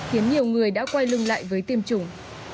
khiến nhiều người đã quay lưng lại với tiêm chủng